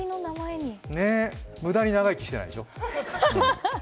無駄に長生きしてないでしょ？